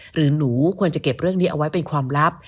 หรือหนูควรจะเก็บเรื่องนี้เอาไว้เป็นความลับ